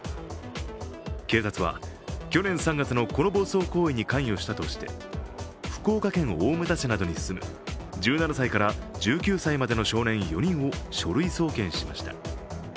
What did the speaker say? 警察は、去年３月のこの暴走行為に関与したとして福岡県大牟田市などに住む１７歳から１９歳までの少年４人を書類送検しました。